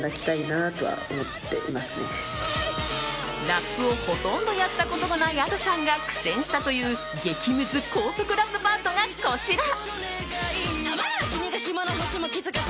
ラップを、ほとんどやったことがないＡｄｏさんが苦戦したという激ムズ高速ラップパートがこちら。